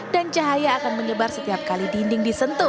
dan cahaya akan menyebar setiap kali dinding disentuh